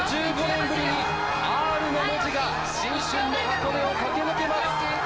５５年ぶりに、Ｒの文字が新春の箱根を駆け抜けます。